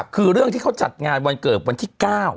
คือเรื่องที่เขาจัดงานวันเกิดวันที่๙